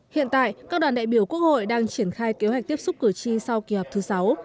hiện tại các đoàn đại biểu quốc hội đang triển khai kế hoạch tiếp xúc cử tri sau kỳ họp thứ sáu